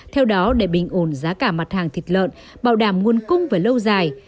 theo đó để bình ổn giá cả mặt hàng thịt lợn bảo đảm nguồn cung về lâu dài